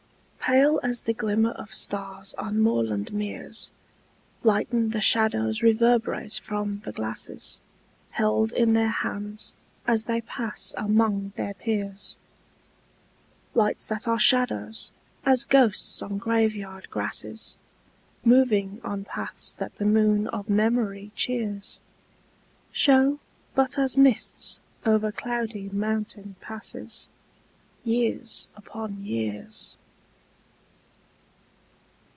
Pale as the glimmer of stars on moorland meres Lighten the shadows reverberate from the glasses Held in their hands as they pass among their peers. Lights that are shadows, as ghosts on graveyard grasses, Moving on paths that the moon of memory cheers, Shew but as mists over cloudy mountain passes Years upon years.